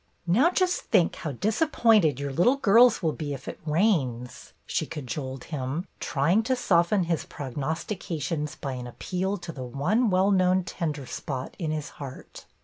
"Now just think how disappointed your little girls will be if it rains," she cajoled him, trying to soften his prognostications by an appeal to the one well known tender spot in his heart.